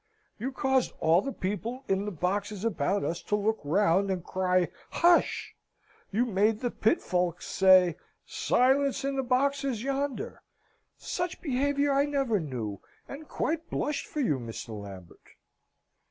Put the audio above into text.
"You caused all the people in the boxes about us to look round and cry 'Hush!' You made the pit folks say, 'Silence in the boxes, yonder!' Such behaviour I never knew, and quite blushed for you, Mr. Lambert!"